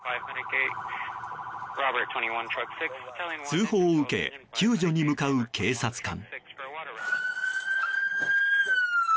通報を受け救助に向かう警察官。